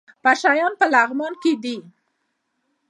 پشه یان په لغمان کې دي؟